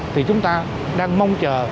thì chúng ta đang mong chờ